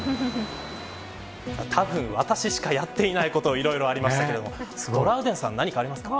多分私しかやっていないこといろいろありましたけどトラウデンさん何かありますか。